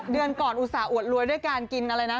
เดือนก่อนอุตส่าหอวดรวยด้วยการกินอะไรนะ